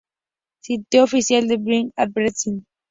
Sitio Oficial Big West Advertising